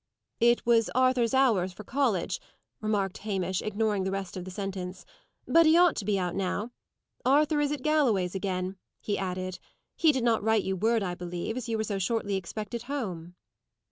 "It was Arthur's hour for college," remarked Hamish, ignoring the rest of the sentence. "But he ought to be out now. Arthur is at Galloway's again," he added. "He did not write you word, I believe, as you were so shortly expected home."